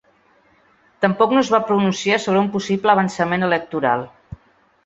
Tampoc no es va pronunciar sobre un possible avançament electoral.